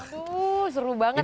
aduh seru banget